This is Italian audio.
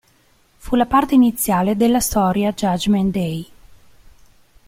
Fu la parte iniziale della storia "Judgement Day".